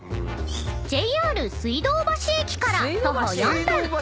［ＪＲ水道橋駅から徒歩４分］